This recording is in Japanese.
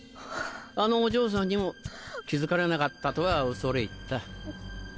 あのお嬢さんにも気付かれなかったとは恐れ入った。